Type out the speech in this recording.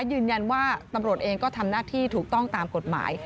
ยืนยันว่าตำรวจเองก็ทำหน้าที่ถูกต้องตามกฎหมาย